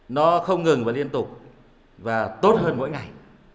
nó không ngừng và liên tục và tốt hơn mỗi ngày